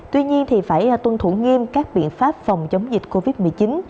tuy nhiên thì phải tuân thủ nghiêm các biện pháp phòng chống dịch covid